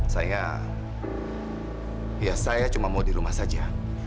saya ya saya cuma mau di rumah saja